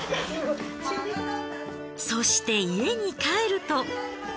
そして家に帰ると。